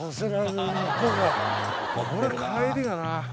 これ帰りがな。